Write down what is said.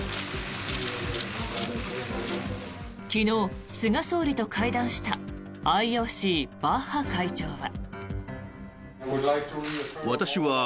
昨日、菅総理と会談したＩＯＣ、バッハ会長は。